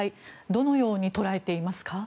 どのように捉えていますか？